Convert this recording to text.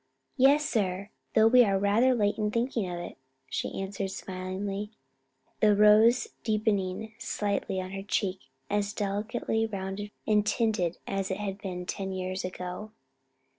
"Yes, sir, though we are rather late in thinking of it," she answered smilingly, the rose deepening slightly on her cheek as delicately rounded and tinted as it had been ten years ago.